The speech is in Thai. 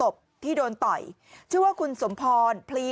ไม่รู้อะไรกับใคร